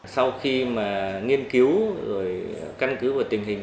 sau khi nghiên cứu căn cứ vào tình hình